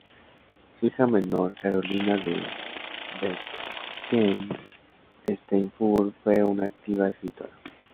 Su hija menor, Carolina de Bentheim-Steinfurt fue una activa escritora.